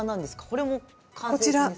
これも完成品ですか？